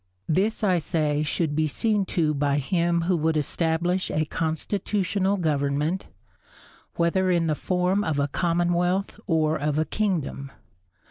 This, I say, should be seen to by him who would establish a constitutional government, whether in the form of a commonwealth or of a kingdom.